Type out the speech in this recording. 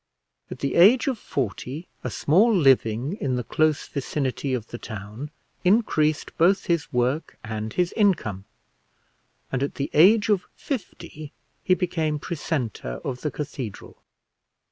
At the age of forty a small living in the close vicinity of the town increased both his work and his income, and at the age of fifty he became precentor of the cathedral.